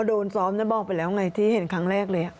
โดนซ้อมบอกไปแล้วไงที่เห็นครั้งแรกเลย